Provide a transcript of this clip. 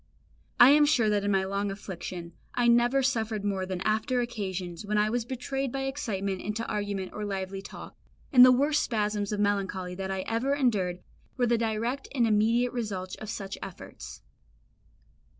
I am sure that in my long affliction I never suffered more than after occasions when I was betrayed by excitement into argument or lively talk, and the worst spasms of melancholy that I ever endured were the direct and immediate results of such efforts.